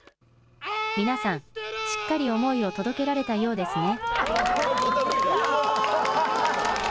皆さん、しっかり思いを届けられたようですね。